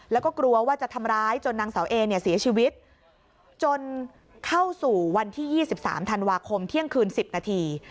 แล้วก็กลัวว่าจะทำร้ายจนนางเสาเอเนี่ยเสียชีวิตจนเข้าสู่วันที่๒๓ธันวาคมเที่ยงคืน๑๐นาที